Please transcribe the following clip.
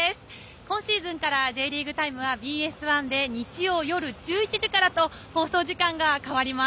今シーズンから「Ｊリーグタイム」は、ＢＳ１で日曜夜１１時からと放送時間が変わります。